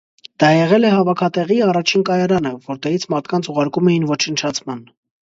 Դա եղել է հավաքատեղի, առաջին կայարանը, որտեղից մարդկանց ուղարկում էին ոչնչացման։